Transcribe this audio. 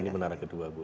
ini menara kedua